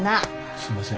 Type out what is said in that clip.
すいません。